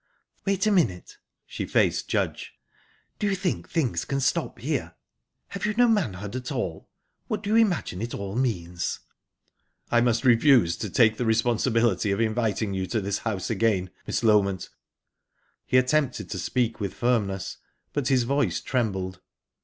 "Wait a minute!..." She faced Judge. "Do you think things can stop here? Have you no manhood at all? What do you imagine it all means?" "I must refuse to take the responsibility of inviting you to this house again, Miss Loment." He attempted to speak with firmness but his voice trembled.